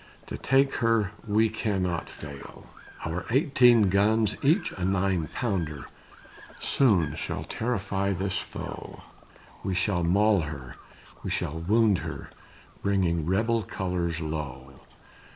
To take her we cannot fail. "Our eighteen guns, each a nine pounder, Soon shall terrify this foe; We shall maul her, we shall wound her, Bringing rebel colors low."